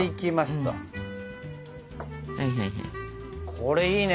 これいいね。